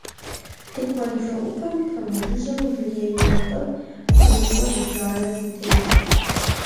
Тыкуэн бжэӀупэм пэмыжыжьэу жыгей ентӀыр гъумыщӀэ зыбжанэ зэтелът.